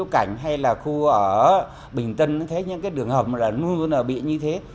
cảnh hay là khu ở bình tân thấy những cái đường hầm là luôn luôn là bị như thế